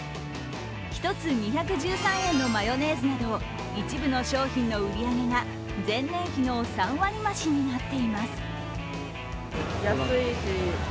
１つ２１３円のマヨネーズなど一部の商品の売り上げが前年比の３割増しになっています。